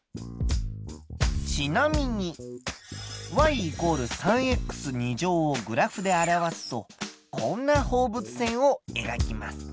ちなみに＝３をグラフで表すとこんな放物線をえがきます。